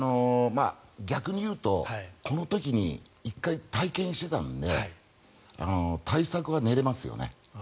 逆に言うとこの時に１回体験をしていたので対策は練れますよね。